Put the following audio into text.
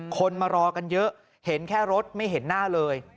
คนมารอกันเยอะเห็นแค่รถไม่เห็นหน้าเลย